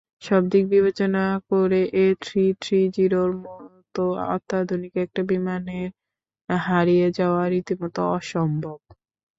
সবদিক বিবেচনা করে এ-থ্রিথ্রিজিরোর মতো অত্যাধুনিক একটা বিমানের হারিয়ে যাওয়া রীতিমতো অসম্ভব।